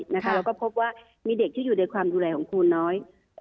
แล้วก็พบว่ามีเด็กที่อยู่ในความดูแลของครูน้อย